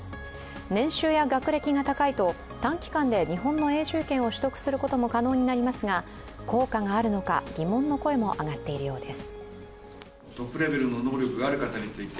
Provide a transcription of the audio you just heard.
年収や学歴が高いと短期間で日本の永住権を取得することも可能になりますが、効果があるのか疑問の声も上がっているようです。